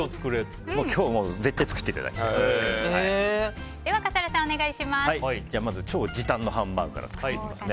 今日絶対では、笠原さんまずは超時短のハンバーグから作っていきますね。